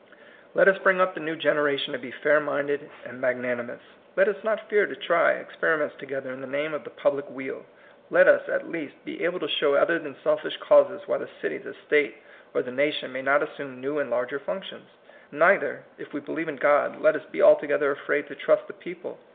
Let us bring up the new generation to be fair minded and magnani mous. Let us not fear to try experiments together in the name of the public weal. Let us, at least, be able to show other than selfish causes why the city, the State, or the nation may not assume new and larger functions. Neither, if we believe in God, let us be altogether afraid to trust the people.